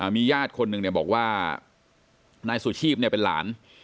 มีญาติคนหนึ่งเนี่ยบอกว่านายสุทธิบเนี่ยเป็นหลาน